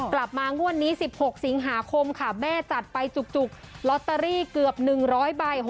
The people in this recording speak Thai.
กลับมางวดนี้๑๖สิงหาคมค่ะแม่จัดไปจุกลอตเตอรี่เกือบ๑๐๐ใบ